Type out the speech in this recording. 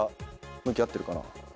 向き合ってるかな？